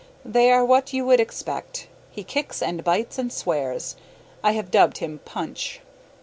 They are what you would expect. He kicks and bites and swears. I have dubbed him Punch.